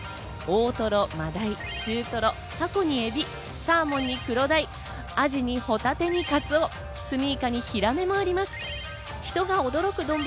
大トロ、マダイ、中トロ、タコにエビ、サーモンに黒鯛、アジにホタテにカツオ、スミイカにヒラメもあります。